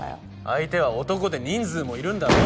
相手は男で人数もいるんだろ？